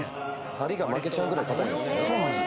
針が負けちゃうぐらい硬いんですね。